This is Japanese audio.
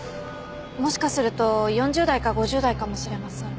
もしかすると４０代か５０代かもしれません。